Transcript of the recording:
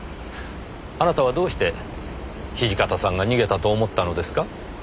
あなたはどうして土方さんが逃げたと思ったのですか？